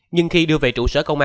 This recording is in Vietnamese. nhưng khi đưa về trụ sở công an